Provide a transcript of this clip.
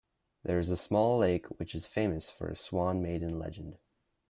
There is a small lake which is famous for a Swan Maiden legend.